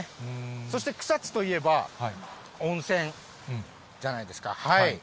そして草津といえば温泉じゃないですか。